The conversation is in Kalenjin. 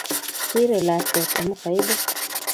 Rirei lakwet amu kaibut